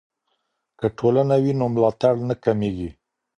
که ټولنه وي نو ملاتړ نه کمیږي.